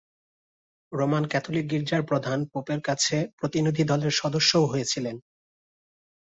Roman Catholic গির্জার প্রধান পোপের কাছে প্রতিনিধিদলের সদস্যও হয়েছিলেন।